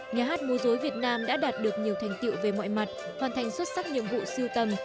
nhà hát mô dối việt nam đã đạt được nhiều thành tiệu về mọi mặt hoàn thành xuất sắc nhiệm vụ siêu tầm